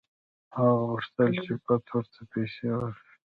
هغه غوښتل چې بت ورته پیسې ورکړي.